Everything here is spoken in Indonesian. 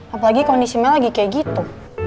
apalagi kondisi mel lagi kayak gitu